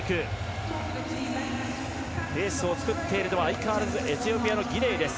レースを作っているのは相変わらずエチオピアのギデイ。